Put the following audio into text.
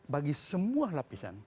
bagi semua lapisan